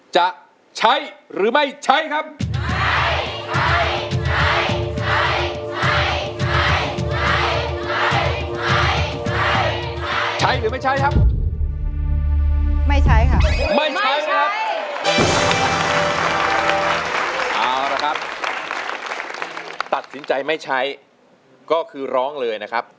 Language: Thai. จะใช้หรือไม่ใช้ครับ